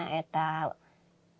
tetap aja nggak bisa